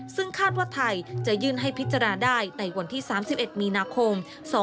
ซึ่งคาดว่าไทยจะยื่นให้พิจารณาได้ในวันที่๓๑มีนาคม๒๕๖